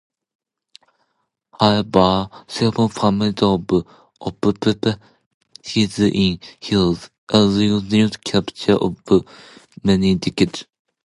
However, seven families of Umpqua hid in the hills, eluding capture for many decades.